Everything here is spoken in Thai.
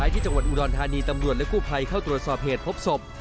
ที่จังหวัดอุดรธานีตำรวจและกู้ภัยเข้าตรวจสอบเหตุพบศพ